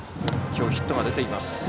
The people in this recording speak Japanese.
きょう、ヒットが出ています。